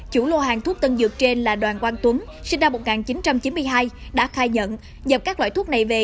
chủ lô hàng thuốc tân dược trên là đoàn quang tuấn sinh năm một nghìn chín trăm chín mươi hai đã khai nhận nhập các loại thuốc này về